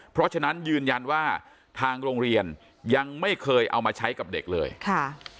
เพราะฉะนั้นยืนยันว่าทางโรงเรียนยังไม่เคยเอามาใช้กับเด็กเลยค่ะ